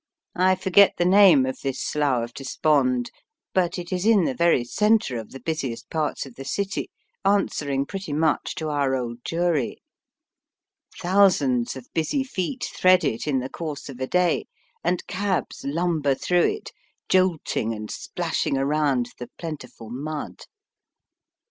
I forget the name of this Slough of Despond, but it is in the very centre of the busiest parts of the city, answering pretty much to our Old Jewry. Thousands of busy feet thread it in the course Digitized by VjOOQIC 36 EAST BY WEST. of a day, and cabs lumber through it, jolting and splashing around the plentiful mud.